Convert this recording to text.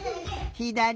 ひだり！